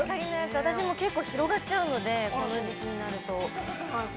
私も結構、広がっちゃうのでこの時期になると。